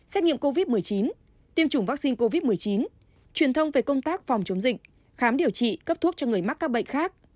xét nghiệm covid một mươi chín tiêm chủng vaccine covid một mươi chín truyền thông về công tác phòng chống dịch khám điều trị cấp thuốc cho người mắc các bệnh khác